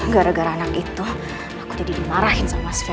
gara gara anak itu aku jadi dimarahin sama sven